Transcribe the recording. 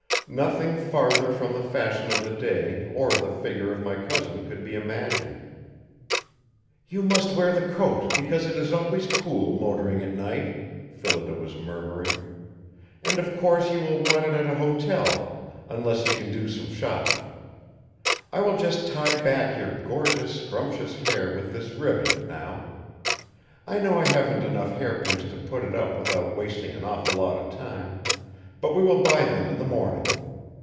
Nothing farther from the fashion of the day or the figure of my cousin could be imagined. "You must wear the coat because it is always cool motoring at night," Phillida was murmuring. "And of course you will want it at a hotel; until you can do some shopping. I will just tie back your gorgeous, scrumptious hair with this ribbon, now. I know I haven't enough hairpins to put it up without wasting an awful lot of time, but we will buy them in the morning.